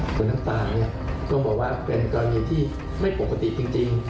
ส่วนน้ำตาเนี่ยต้องบอกว่าเป็นกรณีที่ไม่ปกติจริง